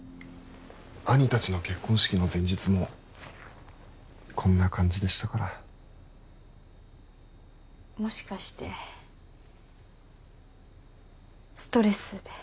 兄達の結婚式の前日もこんな感じでしたからもしかしてストレスで？